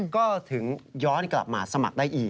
ก็ถึงย้อนกลับมาสมัครได้อีก